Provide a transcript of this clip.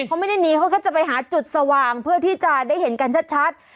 เขาไม่ได้หนีเขาก็จะไปหาจุดสว่างเพื่อที่จะได้เห็นกันชัด